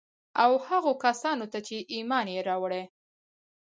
او هغو کسان ته چي ايمان ئې راوړى